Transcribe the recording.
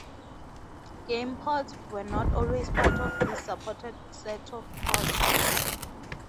Game ports were not always part of this supported set of ports.